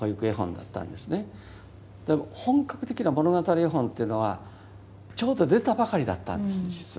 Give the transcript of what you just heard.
本格的な物語絵本というのはちょうど出たばかりだったんです実は。